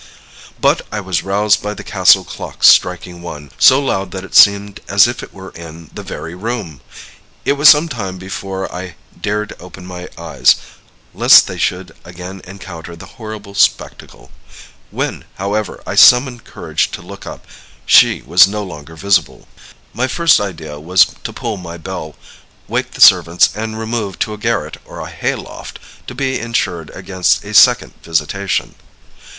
"But I was roused by the castle clock striking one, so loud that it seemed as if it were in the very room. It was some time before I dared open my eyes, lest they should again encounter the horrible spectacle. When, however, I summoned courage to look up, she was no longer visible. "My first idea was to pull my bell, wake the servants, and remove to a garret or a hayloft, to be insured against a second visitation.